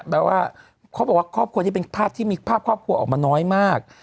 แปลว่าเขาบอกว่าที่เป็นพยาบที่มีภาพครอบครัวออกมาน้อยมาก